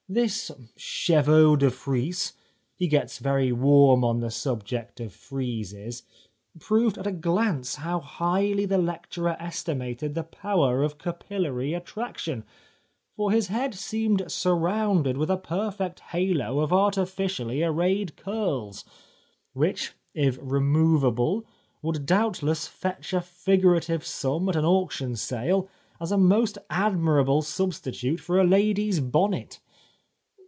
This cheveux de /me— he gets very warm on the subject of friezes — proved at a glance how highly the lecturer estimated the power of capillary attraction, for his head seemed surrounded with a perfect halo of artificially arrayed curls, which, if removable, would doubtless fetch a figurative sum at an auction sale as a most admirable substitute for a lady's bonnet.